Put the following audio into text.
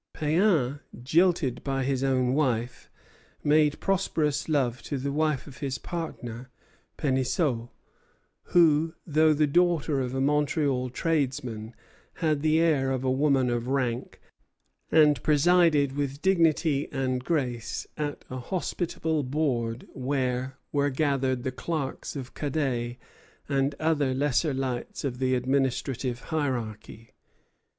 Péan, jilted by his own wife, made prosperous love to the wife of his partner, Penisseault; who, though the daughter of a Montreal tradesman, had the air of a woman of rank, and presided with dignity and grace at a hospitable board where were gathered the clerks of Cadet and other lesser lights of the administrative hierarchy.